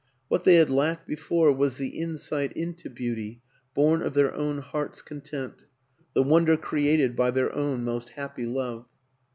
What they had lacked before was the insight into beauty born of their own hearts' con tent, the wonder created by their own most happy love.